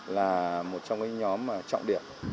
là một trong những nhóm trọng điểm